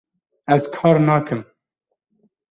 Ez kar nakim